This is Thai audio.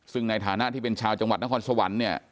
ซึ่งในฐานะที่เป็นชาวจังหวัดนครสวรรค์เนี่ย